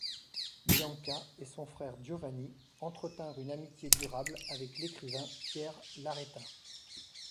Bianca et son frère Giovanni entretinrent une amitié durable avec l'écrivain Pierre l'Arétin.